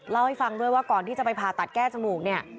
เล่าให้ฟังด้วยว่าก่อนที่จะไปผ่าตัดแก้จมูกเนี่ย